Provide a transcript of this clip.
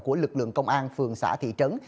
của lực lượng công an phường xã thị trấn